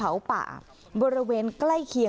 อันดับที่สุดท้าย